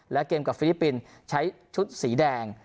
และเกมกับฟิลิปปินส์ใช้ชุดสีแดง